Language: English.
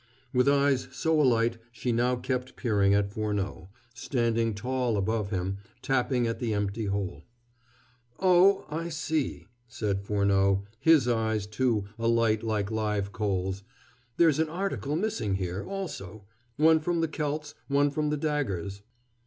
With eyes so alight she now kept peering at Furneaux, standing tall above him, tapping at the empty hole. "Oh, I see," muttered Furneaux, his eyes, too, alight like live coals, "there's an article missing here, also one from the celts, one from the daggers."